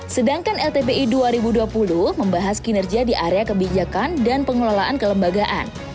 sedangkan ltpi dua ribu dua puluh membahas kinerja di area kebijakan dan pengelolaan kelembagaan